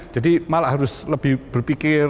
jadi malah harus lebih berpikir